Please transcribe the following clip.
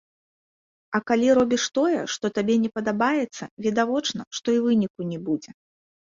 А калі робіш тое, што табе не падабаецца, відавочна, што і выніку не будзе.